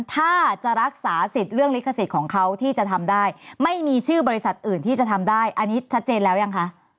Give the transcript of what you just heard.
ถ้าจะรักษาสิทธิ์เรื่องลิขสิทธิ์ของเขาที่จะทำได้ไม่มีชื่อบริษัทอื่นที่จะทำได้อันนี้ชัดเจนแล้วยังคะ